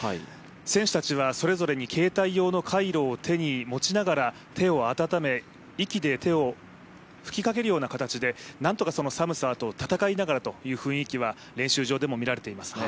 選手たちはそれぞれに携帯用のカイロを手に持ちながら手を温め、息を吹きかけるような形でなんとか寒さと闘いながらという雰囲気は練習場でも見られています。